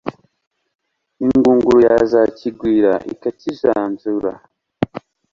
ingunguru yazakigwira, ikakijanjura